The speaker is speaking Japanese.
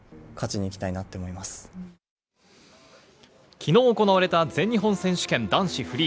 昨日行われた全日本選手権男子フリー。